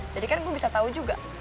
jadi kan gue bisa tau juga